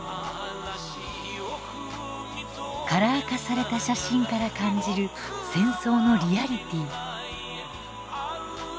カラー化された写真から感じる戦争のリアリティー。